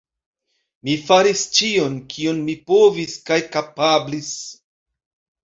Mi faris ĉion, kion mi povis kaj kapablis.